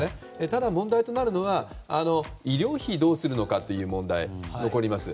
ただ、問題となるのは医療費どうするのかという問題が残ります。